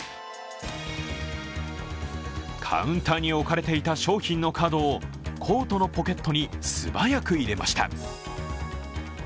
カウンターに置かれていた商品のカードをコートのポケットに素早く入れました。